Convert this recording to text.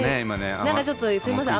何かちょっとすいません。